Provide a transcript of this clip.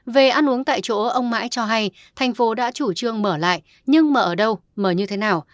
về ăn uống tại chỗ ông mãi cho hay thành phố đã chủ trương mở lại nhưng mà ở đâu mở như thế nào